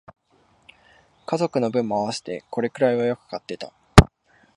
家族の分も合わせてこれくらいはよく買ってた